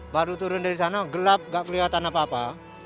baru turun dari sana gelap gak kelihatan apa apa